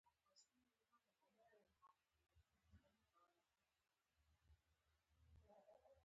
د یوه فورم ټول څه د جګړې ډګر اوښتی وي.